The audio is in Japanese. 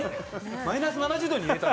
マイナス７０度に入れたの。